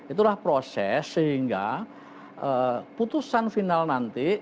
itulah proses sehingga putusan final nanti